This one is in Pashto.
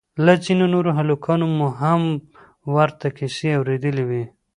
له ځينو نورو هلکانو مو هم ورته کيسې اورېدلې وې.